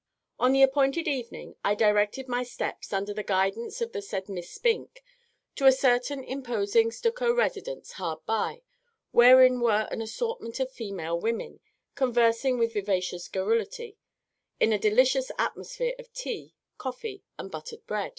On the appointed evening I directed my steps, under the guidance of the said Miss SPINK, to a certain imposing stucco residence hard by, wherein were an assortment of female women conversing with vivacious garrulity, in a delicious atmosphere of tea, coffee, and buttered bread.